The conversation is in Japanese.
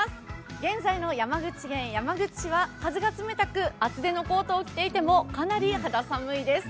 現在の山口県山口市は風が冷たく厚手のコートを着ていてもかなり肌寒いです。